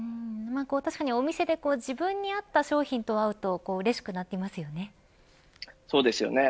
確かにお店で自分に合った商品と会うとそうですよね。